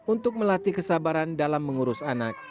untuk melatih kesabaran dalam mengurus anak